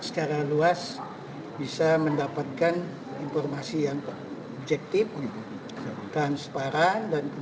dan secara luas bisa mendapatkan informasi yang objektif transparan